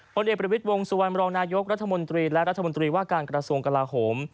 เด็กประวิทย์วงสุวรรณรองนายกรัฐมนตรีและรัฐมนตรีว่าการกระทรวงกลาโหม